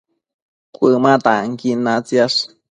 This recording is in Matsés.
Cuëma tanquin natsiash